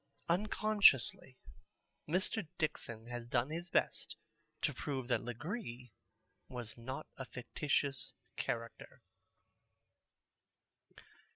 Unconsciously Mr. Dixon has done his best to prove that Legree was not a fictitious character.